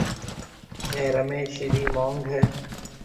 اَي رميش رِي مونڱ هيَ۔